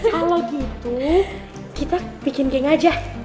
kalau gitu kita bikin geng aja